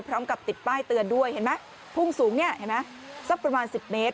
พร้อมกับติดป้ายเตือนด้วยเห็นไหมพุ่งสูงสักประมาณ๑๐เมตร